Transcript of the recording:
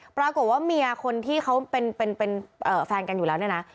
ปรากฏว่าเมียคนที่เขาเป็นแฟนกันอยู่แล้วเนี่ยนะ